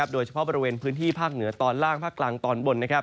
โดยเฉพาะบริเวณพื้นที่ภาคเหนือตอนล่างภาคกลางตอนบน